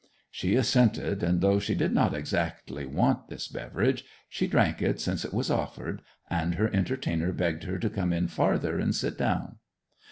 She assented, and, though she did not exactly want this beverage, she drank it since it was offered, and her entertainer begged her to come in farther and sit down.